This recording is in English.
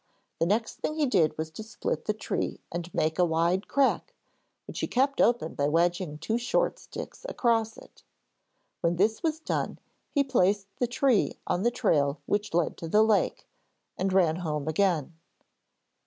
The next thing he did was to split the tree and make a wide crack, which he kept open by wedging two short sticks across it. When this was done he placed the tree on the trail which led to the lake, and ran home again.